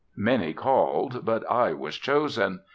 Many called, but I was chosen.